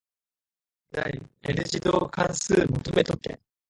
第 n 次導関数求めとけ。